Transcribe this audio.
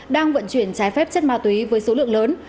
đang vận chuyển trái phép chất ma túy với số lượng lớn